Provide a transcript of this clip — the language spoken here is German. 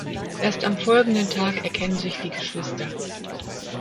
Erst am folgenden Tag erkennen sich die Geschwister.